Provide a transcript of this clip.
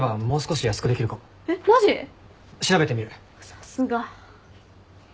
さすが。